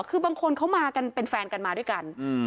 คือบางคนเขามากันเป็นแฟนกันมาด้วยกัน